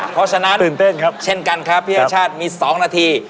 เพราะฉะนั้นเช่นกันครับพี่ชัดมี๒นาที